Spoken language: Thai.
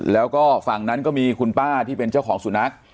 แล้วก็ฝั่งนั้นก็มีคุณป้าที่เป็นเจ้าของสุนัข